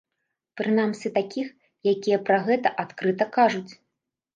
Прынамсі такіх, якія пра гэта адкрыта кажуць.